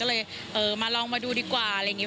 ก็เลยมาลองมาดูดีกว่าอะไรอย่างนี้